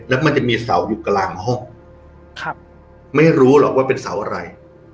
แล้วมันจะมีเสาอยู่กลางห้องครับไม่รู้หรอกว่าเป็นเสาอะไร